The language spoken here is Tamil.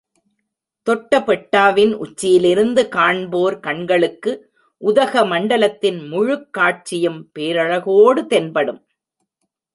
தொட்டபெட்டாவின் உச்சியிலிருந்து காண்போர் கண்களுக்கு உதகமண்டலத்தின் முழுக் காட்சியும் பேரழகோடு தென்படும்.